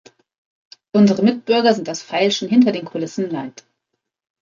Unsere Mitbürger sind das Feilschen hinter den Kulissen leid.